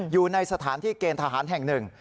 อยู่ในสถานที่เกณฑ์ทหารแห่งหนึ่ง